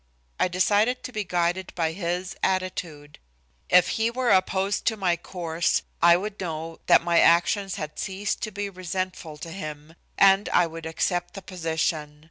I decided to be guided by his attitude. If he were opposed to my course, I would know that my actions had ceased to be resentful to him, and I would accept the position.